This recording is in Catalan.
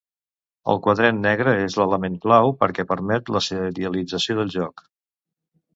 El quadret negre és l'element clau perquè permet la serialització del joc.